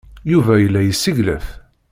Yuba yella yesseglaf.